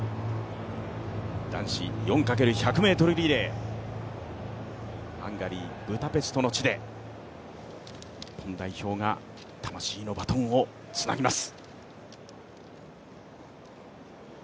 男子４×１００ｍリレー、ハンガリー・ブダペストの地で日本代表が魂のバトンをつなぎます。